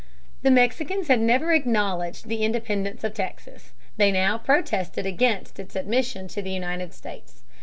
The Mexicans had never acknowledged the independence of Texas. They now protested against its admission to the United States.